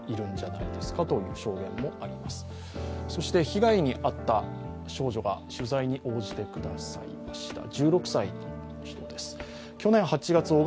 被害に遭った少女が取材に応じてくださいました。